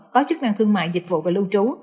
có chức năng thương mại dịch vụ và lưu trú